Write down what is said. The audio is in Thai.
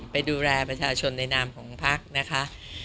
ไปดูแลประชาชนในนามของพักนะคะ